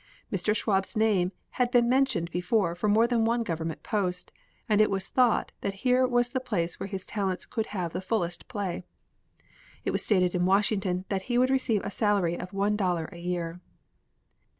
Mr. Schwab's name had been mentioned before for more than one government post, and it was thought that here was the place where his talents could have the fullest play. It was stated in Washington that he would receive a salary of one dollar a year.